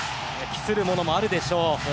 期するものもあるでしょう。